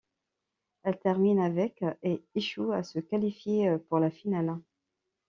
Elle termine avec et échoue à se qualifier pour la finale.